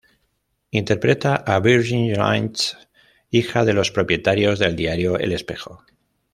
Interpreta a Virginia Lynch, hija de los propietarios del Diario El Espejo.